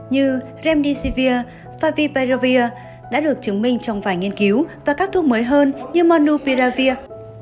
như remdesivir favipiravir đã được chứng minh trong vài nghiên cứu và các thuốc mới hơn như monupiravir